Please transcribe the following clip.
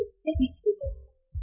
thiết bị phù hợp